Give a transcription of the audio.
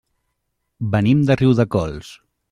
Venim de Riudecols.